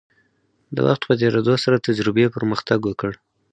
د وخت په تیریدو سره تجربې پرمختګ وکړ.